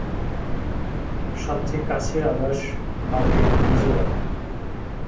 সবচেয়ে কাছের আবাস ভারতের মিজোরাম।